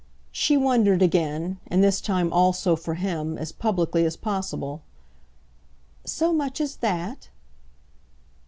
She wondered again and this time also, for him, as publicly as possible. "So much as that?"